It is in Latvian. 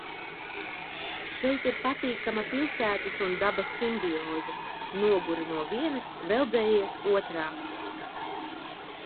Šeit ir patīkama pilsētas un dabas simbioze – noguri no vienas, veldzējies otrā.